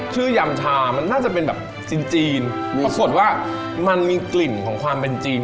ยำชามันน่าจะเป็นแบบจีนจีนปรากฏว่ามันมีกลิ่นของความเป็นจีน